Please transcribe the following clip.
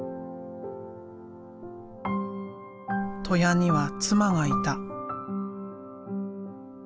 戸谷には妻がいた。